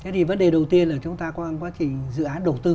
đầu tiên là chúng ta qua quá trình dự án đầu tư